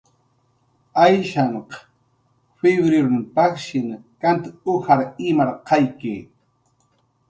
"Ayshan p""iwrirun pajshin kant ujar imarqayki. "